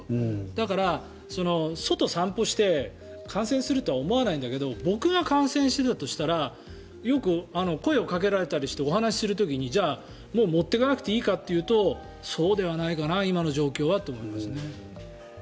だから、外を散歩して感染するとは思わないんだけど僕が感染してたとしたらよく声をかけられたりしてお話しする時に持っていかなくていいかというとそうではないかな今の状況はと思いますね。